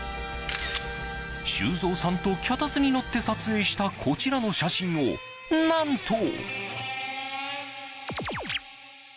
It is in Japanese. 修造さんと脚立に乗って撮影したこちらの写真を、何と。